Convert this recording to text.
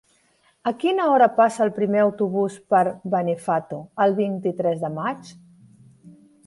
A quina hora passa el primer autobús per Benifato el vint-i-tres de maig?